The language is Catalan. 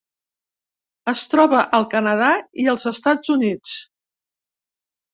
Es troba al Canadà i als Estats Units.